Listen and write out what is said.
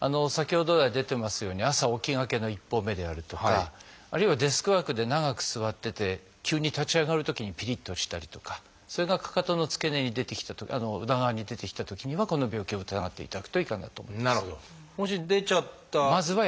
先ほど来出てますように朝起きがけの一歩目であるとかあるいはデスクワークで長く座ってて急に立ち上がるときにピリッとしたりとかそれがかかとの付け根に裏側に出てきたときにはこの病気を疑っていただくといいかなと思います。